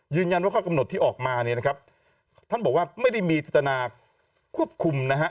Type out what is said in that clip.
ยืนยันว่าข้อกำหนดที่ออกมานี่นะครับท่านบอกว่าไม่ได้มีทัศนาควบคุมนะฮะ